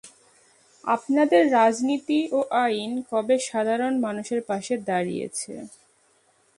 আপনাদের রাজনীতি ও আইন কবে সাধারণ মানুষের পাশে দাঁড়িয়েছে?